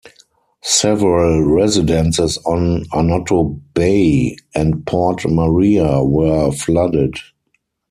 Several residences on Annotto Bay and Port Maria were flooded.